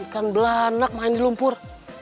ikan belanak main di lumpur